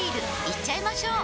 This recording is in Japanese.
いっちゃいましょう！